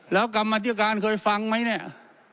แล้วกลับมาที่การเคยฟังไหมเนี่ย